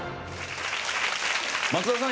松田さん